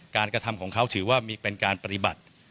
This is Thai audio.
กระทำของเขาถือว่าเป็นการปฏิบัติ